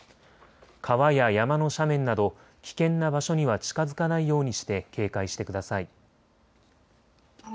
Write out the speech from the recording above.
川や山の斜面など危険な場所には近づかないようにして警戒してください。